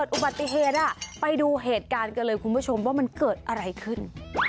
อุบัติเหตุไปดูเหตุการณ์กันเลยคุณผู้ชมว่ามันเกิดอะไรขึ้น